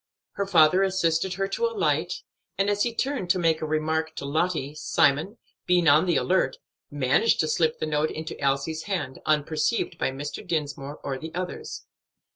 Her father assisted her to alight, and as he turned to make a remark to Lottie, Simon, being on the alert, managed to slip the note into Elsie's hand, unperceived by Mr. Dinsmore, or the others.